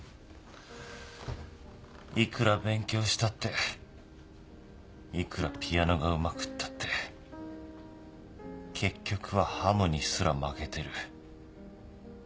いくら勉強したっていくらピアノがうまくったって結局はハムにすら負けてる。